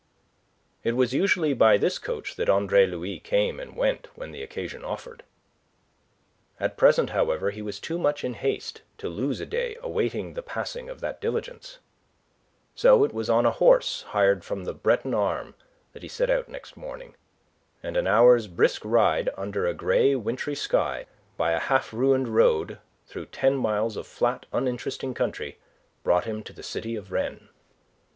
It was usually by this coach that Andre Louis came and went when the occasion offered. At present, however, he was too much in haste to lose a day awaiting the passing of that diligence. So it was on a horse hired from the Breton arme that he set out next morning; and an hour's brisk ride under a grey wintry sky, by a half ruined road through ten miles of flat, uninteresting country, brought him to the city of Rennes.